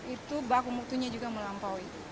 itu baku mutunya juga melampaui